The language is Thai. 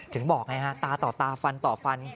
ถึงบอกไงฮะตาต่อตาฟันต่อฟัน